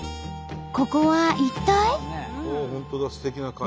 ここは一体？